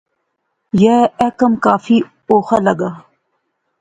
یہ ایہ کم کافی اوخا لغا